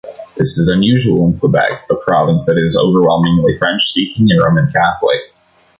This is unusual in Quebec, a province that is overwhelmingly French-speaking and Roman Catholic.